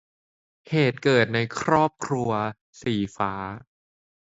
เหตุเกิดในครอบครัว - สีฟ้า